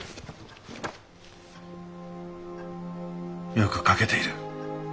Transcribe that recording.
よく描けている。